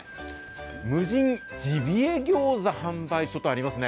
無人ジビエ餃子販売所とありますね。